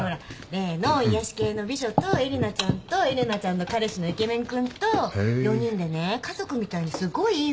例の癒やし系の美女とえりなちゃんとえりなちゃんの彼氏のイケメン君と４人でね家族みたいにすっごいいい雰囲気だったんですよ。